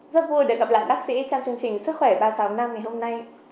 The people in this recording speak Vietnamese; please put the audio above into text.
rất vui được gặp lại bác sĩ trong chương trình sức khỏe ba trăm sáu mươi năm ngày hôm nay